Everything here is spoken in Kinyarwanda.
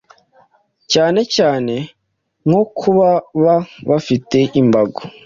cyane cyane nko ku baba bafite imbago